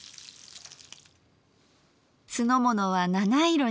酢の物は七色に。